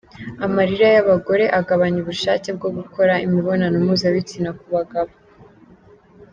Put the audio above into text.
Amarira y’abagore agabanya ubushake bwo gukora imibonano mpuzabitsina ku abagabo